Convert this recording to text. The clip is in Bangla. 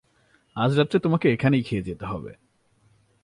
আজ রাত্রে তোমাকে এখানেই খেয়ে যেতে হবে।